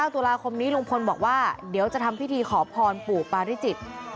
ตุลาคมนี้ลุงพลบอกว่าเดี๋ยวจะทำพิธีขอพรปู่ปาริจิตร